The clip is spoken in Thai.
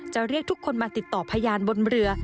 เรียกทุกคนมาติดต่อพยานบนเรือ